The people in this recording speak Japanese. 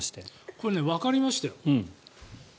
これ、わかりましたよ。